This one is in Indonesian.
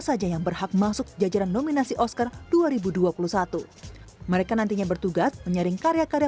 saja yang berhak masuk jajaran nominasi oscar dua ribu dua puluh satu mereka nantinya bertugas menyaring karya karya